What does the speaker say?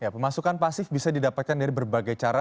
pemasukan pasif bisa didapatkan dari berbagai cara